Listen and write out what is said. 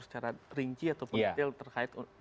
secara rinci atau pengetil terkait